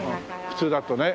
普通だとね。